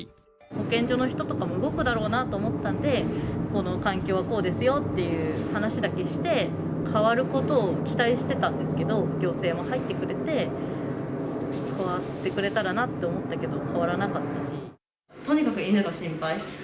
保健所の人とかも動くだろうなと思ったんで、この環境はこうですよっていう話だけして、変わることを期待してたんですけど、行政も入ってくれて、変わってくれたらなと思ったけど、変わらなとにかく犬が心配。